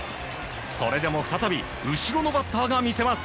それでも再び後ろのバッターが見せます。